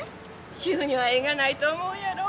主婦には縁がないと思うやろ？